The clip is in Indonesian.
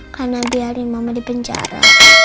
karena dia ada di mama di penjara